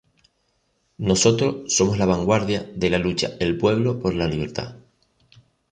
Nosotros somos la vanguardia de la lucha el pueblo por la libertad.